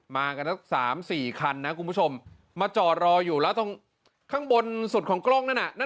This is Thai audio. มากันสักสามสี่คันนะคุณผู้ชมมาจอดรออยู่แล้วตรงข้างบนสุดของกล้องนั่นน่ะนั่น